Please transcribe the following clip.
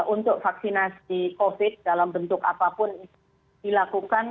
untuk vaksinasi covid sembilan belas dalam bentuk apapun dilakukan